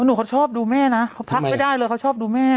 หนูเขาชอบดูแม่นะเขาทักไม่ได้เลยเขาชอบดูแม่